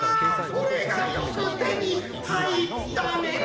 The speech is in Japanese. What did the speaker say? これがよく手に入ったねえ」。